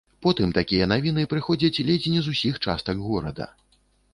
Потым такія навіны прыходзяць ледзь не з усіх частак горада.